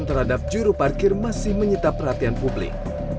terhadap juru parkir masih menyita perhatian publik